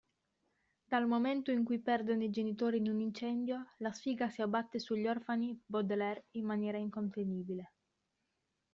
Dal momento in cui perdono i genitori in un incendio, la sfiga si abbatte sugli orfani Baudelaire in maniera incontenibile.